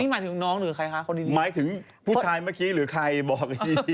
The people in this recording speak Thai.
หมายถึงน้องหรือใครคะคนนี้หมายถึงผู้ชายเมื่อกี้หรือใครบอกอีกที